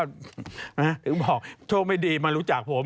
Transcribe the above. ถึงบอกโชคไม่ดีมารู้จักผม